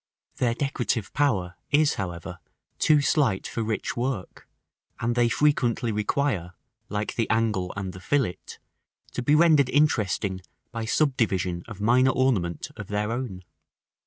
§ III. Their decorative power is, however, too slight for rich work, and they frequently require, like the angle and the fillet, to be rendered interesting by subdivision or minor ornament of their own.